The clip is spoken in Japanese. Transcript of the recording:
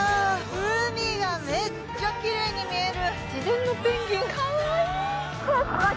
海がめっちゃきれいに見える！